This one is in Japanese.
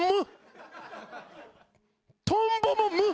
トンボも無！